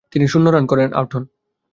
তিনি শূন্য রান করেন।